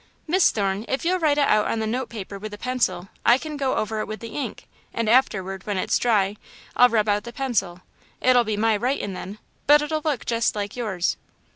"Miss Thorne, if you'll write it out on the note paper with a pencil, I can go over it with the ink, and afterward, when it's dry, I'll rub out the pencil. It'll be my writin' then, but it'll look jest like yours."